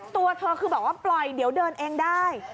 ตัวเธอคือบอกว่าปล่อยเดี๋ยวเดินเองได้